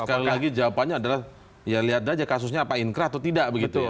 sekali lagi jawabannya adalah ya lihat saja kasusnya apa inkrah atau tidak begitu ya